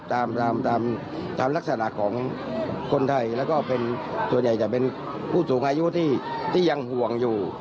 ตามลักษณะของคนไทยแล้วก็เป็นส่วนใหญ่จะเป็นผู้สูงอายุที่ยังห่วงอยู่